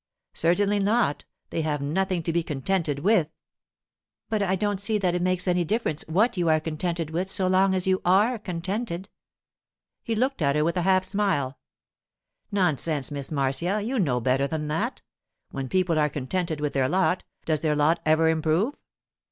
'Certainly not. They have nothing to be contented with.' 'But I don't see that it makes any difference what you are contented with so long as you are contented.' He looked at her with a half smile. 'Nonsense, Miss Marcia; you know better than that. When people are contented with their lot, does their lot ever improve?